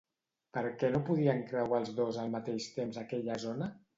Per què no podien creuar els dos al mateix temps aquella zona?